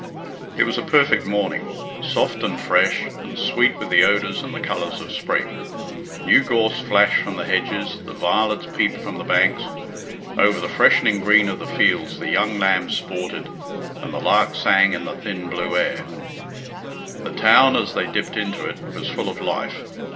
It was a perfect morning, soft and fresh, and sweet with the odours and the colours of spring. New gorse flashed from the hedges, the violets peeped from the banks; over the freshening green of the fields the young lambs sported, and the lark sang in the thin blue air. The town, as they dipped into it, was full of life.